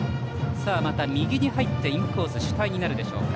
また右に入ってインコース主体になるでしょうか。